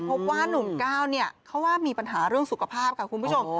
พบว่านุ่มก้าวเนี่ยเขาว่ามีปัญหาเรื่องสุขภาพค่ะคุณผู้ชม